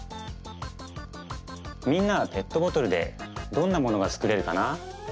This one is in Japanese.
みんなはペットボトルでどんなものがつくれるかな？